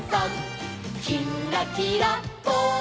「きんらきらぽん」